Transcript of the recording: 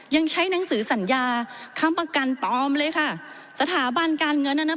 ยังใช้หนังสือสัญญาค้ำประกันปลอมเลยค่ะสถาบันการเงินน่ะนะ